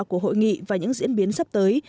của hội nghị và những diễn biến sắp tới